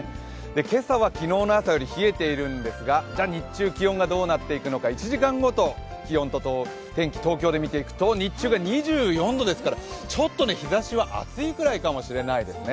今朝は昨日の朝よりも冷えているんですが日中、気温がどうなっていくのか１時間ごとの気温を東京で見ていくと日中が２４度ですからちょっと日ざしは暑いぐらいかもしれないですね。